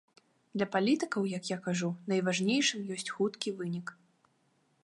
Для палітыкаў, як я кажу, найважнейшым ёсць хуткі вынік.